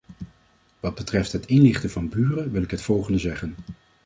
Wat betreft het inlichten van buren wil ik het volgende zeggen.